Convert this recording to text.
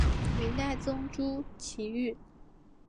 明代宗朱祁钰。